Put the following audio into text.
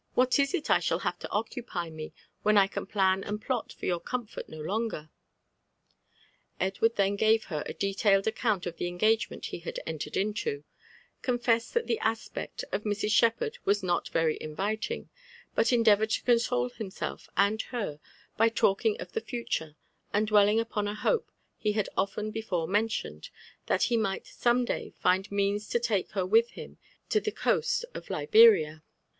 what is il I ahall have to ocoopy me when I can plan and plot for your comfort no longerf ' Edward then gate her a detailed adeount of the engagemeot be had entered infOi confessed that the aspect of Mra« Bbef^rd wae dot very idtiting, but ettdeatoured to coaiole hitnflelt and ber by talking of the future, and dwelling upon a hope he had often before meoliened, thai be might some day find meana to take her with him to the eoaat of Liberia.